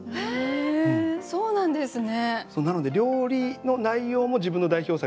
そうなんですね。